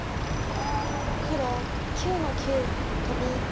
黒９の九トビ。